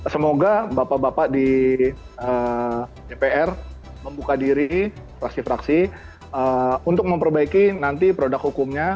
semoga bapak bapak di dpr membuka diri fraksi fraksi untuk memperbaiki nanti produk hukumnya